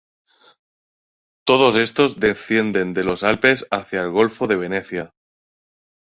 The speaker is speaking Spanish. Todos estos descienden de los Alpes hacia el golfo de Venecia.